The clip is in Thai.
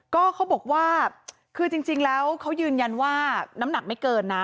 ก็เขาบอกว่าคือจริงแล้วเขายืนยันว่าน้ำหนักไม่เกินนะ